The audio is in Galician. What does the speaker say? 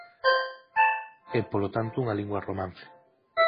É polo tanto unha lingua romance.